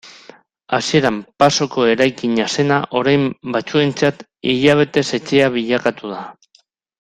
Hasieran pasoko eraikina zena orain batzuentzat hilabetez etxea bilakatu da.